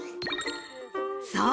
そう！